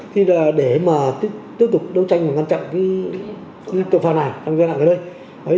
thì là để mà tiếp tục đấu tranh và ngăn chặn cái tội phạm này trong giai đoạn này